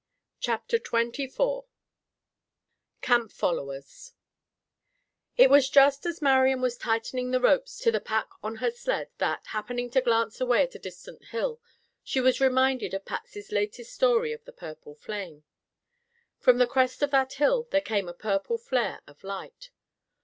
CHAPTER XXIV CAMP FOLLOWERS It was just as Marian was tightening the ropes to the pack on her sled that, happening to glance away at a distant hill, she was reminded of Patsy's latest story of the purple flame. From the crest of that hill there came a purple flare of light.